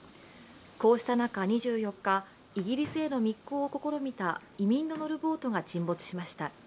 こうした中、２４日、イギリスへの密航を試みた移民の乗るボートが沈没しました。